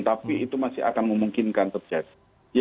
tapi itu masih akan memungkinkan terjadi